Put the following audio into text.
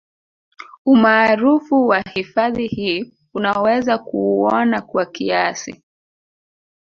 Umaarufu wa hifadhi hii unaweza kuuona kwa kiasi